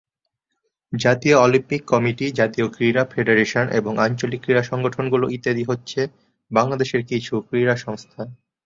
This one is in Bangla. জাতীয় অলিম্পিক কমিটি, জাতীয় ক্রীড়া ফেডারেশন এবং আঞ্চলিক ক্রীড়া সংগঠনগুলো ইত্যাদি হচ্ছে বাংলাদেশের কিছু ক্রীড়া সংস্থা।